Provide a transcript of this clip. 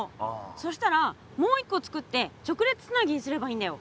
そしたらもう一個つくって直列つなぎにすればいいんだよ！